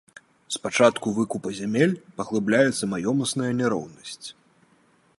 З пачатку выкупу зямель паглыбляецца маёмасная няроўнасць.